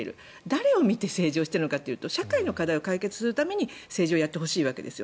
誰を見て政治をしているのかというと社会の課題を解決するために政治をやってほしいわけです。